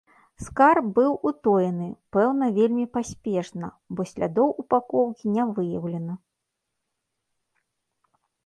Скарб быў утоены, пэўна, вельмі паспешна, бо слядоў упакоўкі не выяўлена.